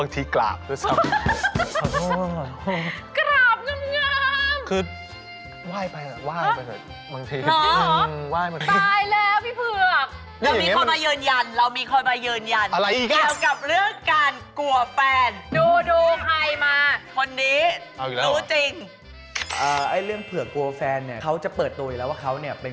หรอตายแล้วพี่เผือกเรามีคนมายืนยัน